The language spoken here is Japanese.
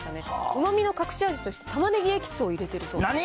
うまみの隠し味として玉ねぎエキスを入れているそうです。